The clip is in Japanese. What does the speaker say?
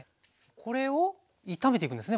これを炒めていくんですね